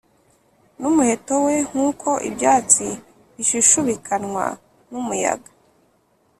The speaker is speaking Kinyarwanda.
n umuheto we nk uko ibyatsi bishushubikanywa n umuyaga